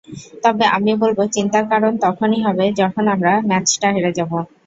তবে আমি বলব, চিন্তার কারণ তখনই হবে, যখন আমরা ম্যাচটা হেরে যাব।